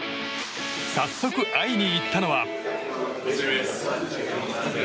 早速会いに行ったのは。